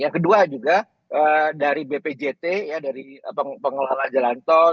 yang kedua juga dari bpjt dari pengelola jalan tol